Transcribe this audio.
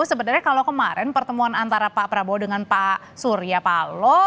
sebenarnya kalau kemarin pertemuan antara pak prabowo dengan pak surya palo